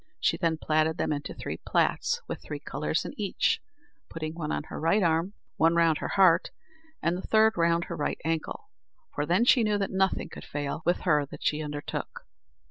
She then platted them into three plats with three colours in each, putting one on her right arm, one round her heart, and the third round her right ankle, for then she knew that nothing could fail with her that she undertook.